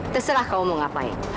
terserah kamu mau ngapain